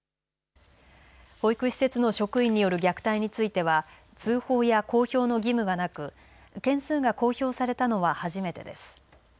保育施設の職員による虐待については通報や公表の義務がなく件数が公表されたのは初めてです。